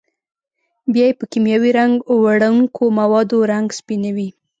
بیا یې په کېمیاوي رنګ وړونکو موادو رنګ سپینوي.